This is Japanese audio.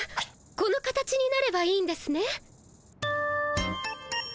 この形になればいいんですね。